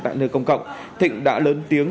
tại nơi công cộng thịnh đã lớn tiếng